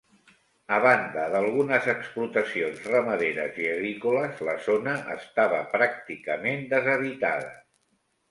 A banda d'algunes explotacions ramaderes i agrícoles, la zona estava pràcticament deshabitada.